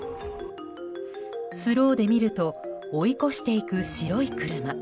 スローで見ると追い越していく白い車。